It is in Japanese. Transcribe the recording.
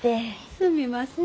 すみません。